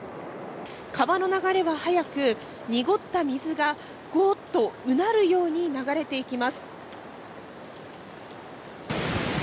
川の流れは速く濁った水がゴーっとうなるように流れていきます。